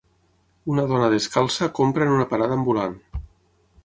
Una dona descalça compra en una parada ambulant